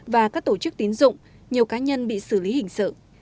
và các tổ chức tín dụng nhiều cá nhân bị xử lý hình sự